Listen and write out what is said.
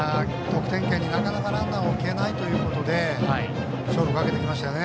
得点圏になかなかランナー置けないということで勝負をかけてきましたよね